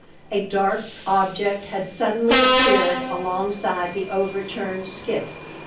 A dark object had suddenly appeared alongside the overturned skiff.